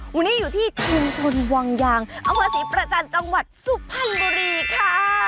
วันนี้อยู่ที่ชุมชนวังยางอำเภอศรีประจันทร์จังหวัดสุพรรณบุรีค่ะ